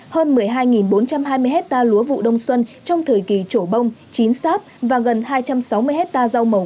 hơn một mươi hai bốn trăm hai mươi hectare lúa vụ đông xuân trong thời kỳ trổ bông chín sáp và gần hai trăm sáu mươi hectare rau màu